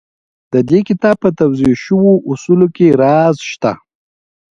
د دې کتاب په توضيح شويو اصولو کې راز شته.